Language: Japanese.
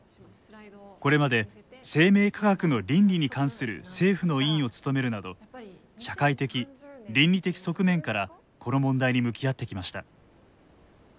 これまで生命科学の倫理に関する政府の委員を務めるなど社会的倫理的側面からこの問題に向き合ってきました。